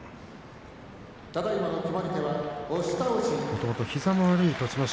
もともと膝の悪い栃ノ